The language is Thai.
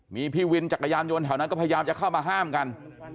มีพี่วินจักรยานยนต์แถวนั้นก็พยายามจะเข้ามาห้ามกัน